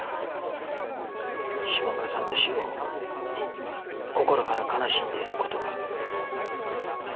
島村さんの死を心から悲しんでいる言葉。